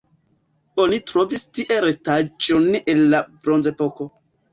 Oni trovis tie restaĵon el la bronzepoko.